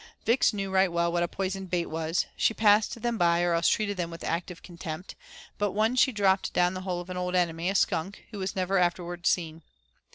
Vix knew right well what a poisoned bait was; she passed them by or else treated them with active contempt, but one she dropped down the hole of an old enemy, a skunk, who was never afterward seen.